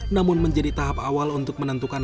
namun menjadi tahap awal untuk menentukan